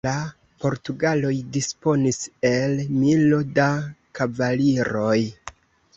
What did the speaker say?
La portugaloj disponis el milo da kavaliroj.